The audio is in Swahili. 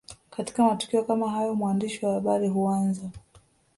Katika matukio kama hayo mwandishi wa habari huanza